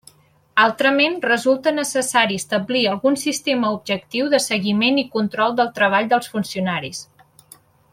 Altrament resulta necessari establir algun sistema objectiu de seguiment i control del treball dels funcionaris.